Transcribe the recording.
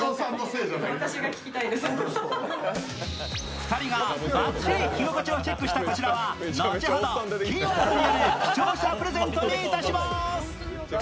２人がばっちり着心地をチェックしたこちらは後ほどキーワードによる視聴者プレゼントにいたします。